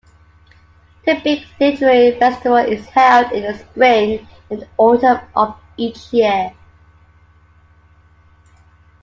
The Peak Literary Festival is held in the spring and autumn of each year.